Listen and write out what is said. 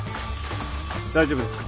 大丈夫ですか。